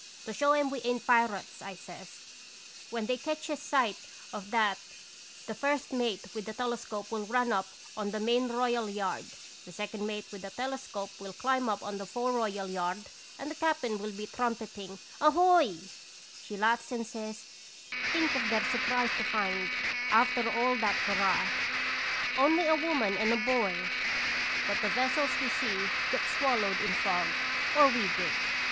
"'To show 'em we ain't pirates,' I says. 'When they ketches sight of that the first mate with a telescope will run up on the main royal yard, the second mate with a tel escope will climb up on the fore royal yard, and the cap'n will be trumpeting : 'Ahoy !'"" She laughs and says :' Think of their sur prise to find, after all that hurrah, only a woman and a boy." " But the vessels we see gets swallowed in fog or we did.